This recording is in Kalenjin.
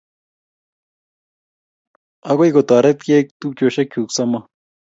Akoi kotaretkey tupchosyek chu somoku